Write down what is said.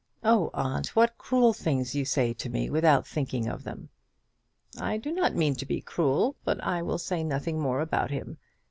"Oh, aunt, what cruel things you say to me without thinking of them!" "I do not mean to be cruel, but I will say nothing more about him.